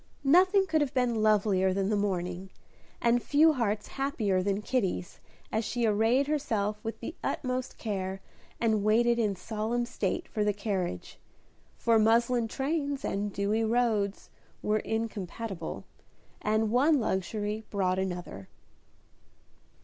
Nothing could have been lovelier than the morning, and few hearts happier than Kitty's, as she arrayed herself with the utmost care, and waited in solemn state for the carriage; for muslin trains and dewy roads were incompatible, and one luxury brought another.